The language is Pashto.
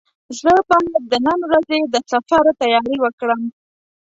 زه باید د نن ورځې د سفر تیاري وکړم.